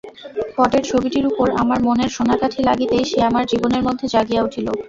পটের ছবিটির উপর আমার মনের সোনার কাঠি লাগিতেই সে আমার জীবনের মধ্যে জাগিয়া উঠিল।